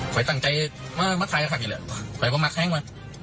ขอให้ตั้งใจมามาท้ายอ่ะคักอย่างเงี้ยขอให้พวกมักแท้งมา